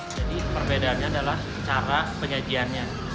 jadi perbedaannya adalah cara penyajiannya